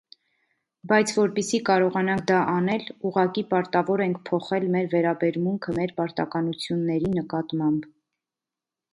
Բայց որպեսզի կարողանանք դա անել, ուղղակի պարտավոր ենք փոխել մեր վերաբերմունքը մեր պարտականությունների նկատմամբ: